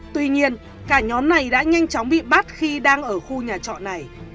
tuy nhiên cả nhóm này đã nhanh chóng bị bắt khi đang ở khu nhà trọ này